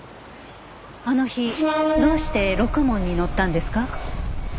あの日どうしてろくもんに乗ったんですか？